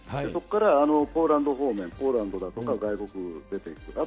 そこからポーランド方面、ポーランドだとか外国に出ていく。